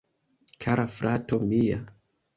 Kara frato mia..